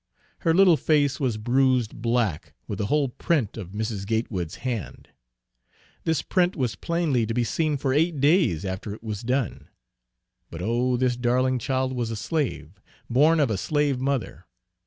Her little face was bruised black with the whole print of Mrs. Gatewood's hand. This print was plainly to be seen for eight days after it was done. But oh! this darling child was a slave; born of a slave mother.